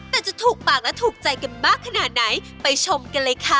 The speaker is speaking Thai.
แต่จะถูกปากและถูกใจกันมากขนาดไหนไปชมกันเลยค่ะ